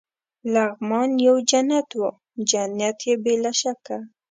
لغمان یو جنت وو، جنت يې بې له شکه.